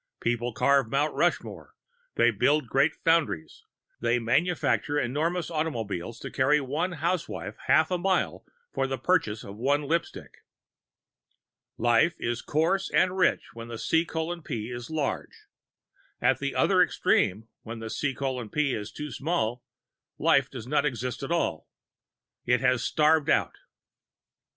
People carve Mount Rushmore; they build great foundries; they manufacture enormous automobiles to carry one housewife half a mile for the purchase of one lipstick. Life is coarse and rich where C:P is large. At the other extreme, where C:P is too small, life does not exist at all. It has starved out.